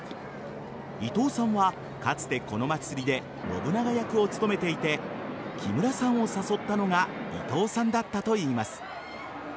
伊藤さんは、かつてこの祭りで信長役を務めていて木村さんを誘ったのが伊藤さんだったといいます。